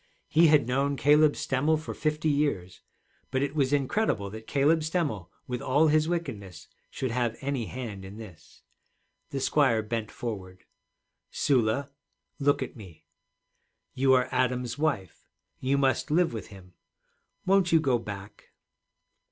He had known Caleb Stemmel for fifty years. But it was incredible that Caleb Stemmel with all his wickedness should have any hand in this. The squire bent forward. 'Sula, look at me. You are Adam's wife. You must live with him. Won't you go back?'